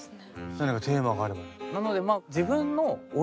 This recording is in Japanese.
何かテーマがあれば。